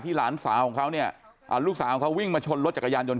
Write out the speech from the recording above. หลานสาวของเขาเนี่ยลูกสาวของเขาวิ่งมาชนรถจักรยานยนต